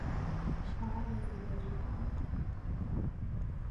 Paul was a vegetarian.